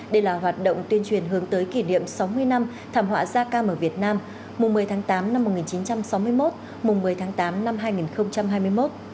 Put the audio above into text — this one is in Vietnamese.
đây là hoạt động tuyên truyền hướng tới kỷ niệm sáu mươi năm thảm họa da cam ở việt nam mùng một mươi tháng tám năm một nghìn chín trăm sáu mươi một mùng một mươi tháng tám năm hai nghìn hai mươi một